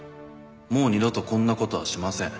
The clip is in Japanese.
「もう二度とこんなことはしません」